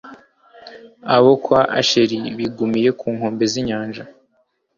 abo kwa asheri bigumiye ku nkombe z'inyanja